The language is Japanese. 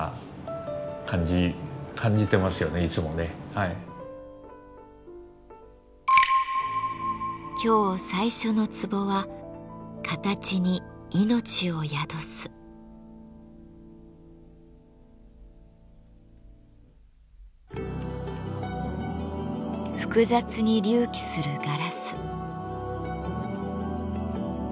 日常日々今日最初のツボは複雑に隆起するガラス。